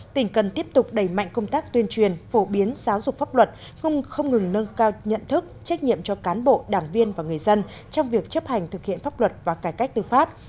tỉnh cần tiếp tục đẩy mạnh công tác tuyên truyền phổ biến giáo dục pháp luật không ngừng nâng cao nhận thức trách nhiệm cho cán bộ đảng viên và người dân trong việc chấp hành thực hiện pháp luật và cải cách tư pháp